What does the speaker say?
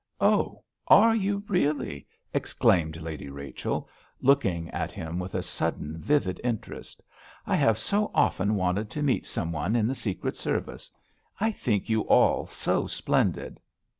"Oh, are you really?" exclaimed Lady Rachel, looking at him with a sudden vivid interest. "I have so often wanted to meet some one in the secret service. I think you all so splendid!"